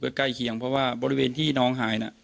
ใกล้เคียงเพราะว่าบริเวณที่น้องหายน่ะ